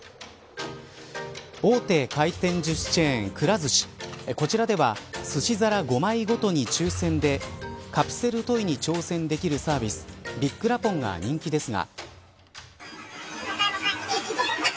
大手回転ずしチェーン、くら寿司こちらでは、すし皿５枚ごとに抽選でカプセルトイに挑戦できるサービスビッくらポン！が人気ですが。